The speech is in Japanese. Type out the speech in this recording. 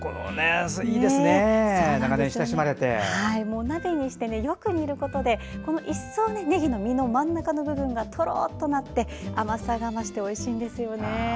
お鍋にしてよく煮ることで一層、ねぎの身の真ん中の部分がとろっとなって甘さが増しておいしいんですよね。